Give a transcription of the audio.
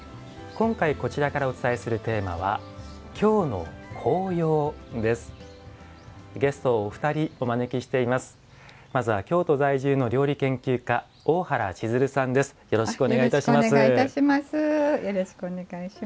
今回、こちらからお伝えするテーマは「京の紅葉」です。